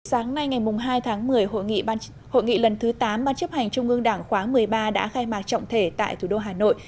sáng nay ngày hai tháng một mươi hội nghị lần thứ tám ban chấp hành trung ương đảng khóa một mươi ba đã khai mạc trọng thể tại thủ đô hà nội